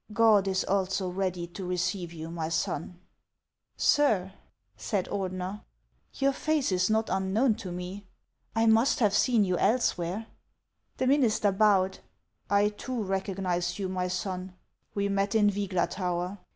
" God is also ready to receive you, my son." 30 466 HANS OF ICELAND. " Sir," said Ortlener, " your i'ace is not unknown to ine ; I must have seen you elsewhere." The minister bowed. " I too recognize you, my son ; we met in Vygla tower.